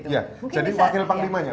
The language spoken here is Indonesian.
ya jadi wakil panglimanya